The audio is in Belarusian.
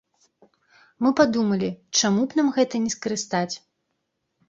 Мы падумалі, чаму б нам гэта не скарыстаць.